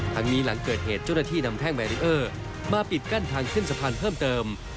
หลังนี้หลังเกิดเหตุเจ้าหน้าที่นำแท่งแบรีเออร์มาปิดกั้นทางขึ้นสะพานเพิ่มเติม